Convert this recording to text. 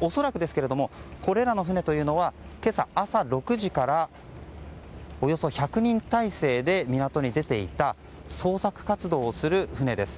恐らくですがこれらの船というのは今朝、朝６時からおよそ１００人態勢で港に出ていた捜索活動をする船です。